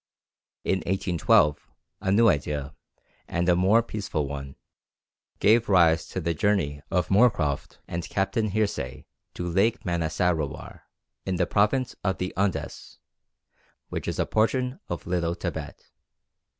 In 1812, a new idea, and a more peaceful one, gave rise to the journey of Moorcroft and Captain Hearsay to Lake Manasarowar, in the province of the Un dés, which is a portion of Little Thibet.